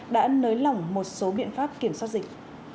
đã nới lỏng một số biện pháp kiểm soát dịch